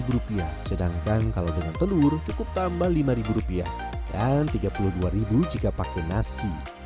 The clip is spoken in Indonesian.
tiga puluh dua rupiah sedangkan kalau dengan telur cukup tambah lima rupiah dan tiga puluh dua jika pakai nasi